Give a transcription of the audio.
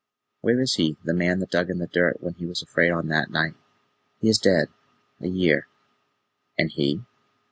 "Where is he the man that dug in the dirt when he was afraid on that night?" "He is dead a year." "And he?"